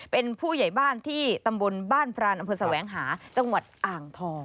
เป็นผู้ใหญ่บ้านที่ตำบลบ้านพรานอำเภอแสวงหาจังหวัดอ่างทอง